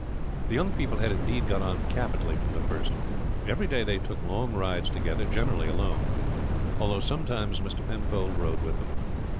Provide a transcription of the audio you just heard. The young people had indeed got on capitally from the first. Every day they took long rides together, generally alone, although sometimes Mr. Penfold rode with them.